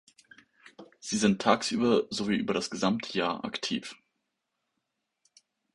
Sie sind tagsüber sowie über das gesamte Jahr aktiv.